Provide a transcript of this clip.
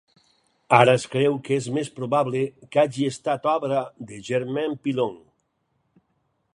Ara es creu que és més probable que hagi estat obra de Germain Pilon.